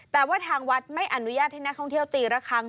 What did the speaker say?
แต่ว่าทางวัดไม่อนุญาตให้นักท่องเที่ยวตีละครั้ง